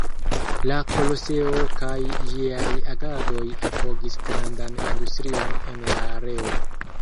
La Koloseo kaj ĝiaj agadoj apogis grandan industrion en la areo.